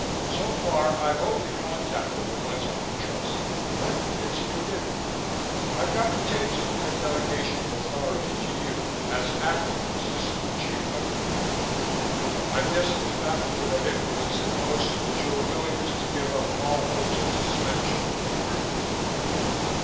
So far, I've only contacted the ones I can trust, but it's a beginning. I've gotten tapes of their delegation of authority to you as acting assistant Chief Underwriter. I guess the factor that influenced them most was your willingness to give up all hopes of suspension for the emergency.